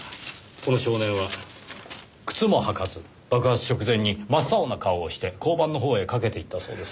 この少年は靴も履かず爆発直前に真っ青な顔をして交番の方へかけていったそうです。